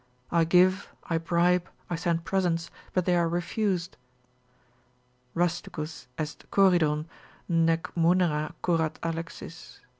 I give, I bribe, I send presents, but they are refused. Rusticus est Coridon, nec munera curat Alexis.